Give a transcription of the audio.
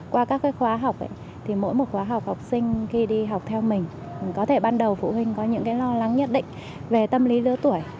qua các khóa học thì mỗi một khóa học học sinh khi đi học theo mình có thể ban đầu phụ huynh có những lo lắng nhất định về tâm lý lứa tuổi